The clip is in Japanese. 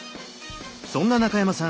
そんな中山さん